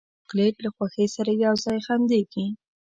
چاکلېټ له خوښۍ سره یو ځای خندېږي.